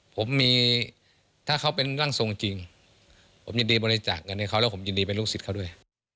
ผมมีถ้าเขาเป็นร่างทรงจริงผมยินดีบริจาคเงินให้เขาแล้วผมยินดีเป็นลูกศิษย์เขาด้วย